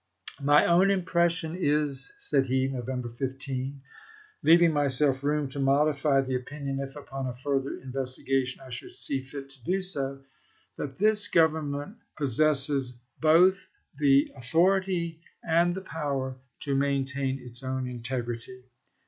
" My own impression is," said he (November 15), i860, "leaving myself room to modify the opinion if upon a further investigation I should see fit to do so, that this Government possesses both the au thority and the power to maintain its own integ rity.